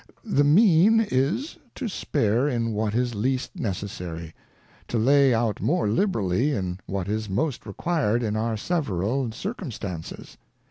The mean is, to spare in what is least necessary, to lay out more liberally in what is most required in our several circumstances.